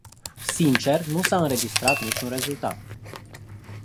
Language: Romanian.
Sincer, nu s-a înregistrat niciun rezultat.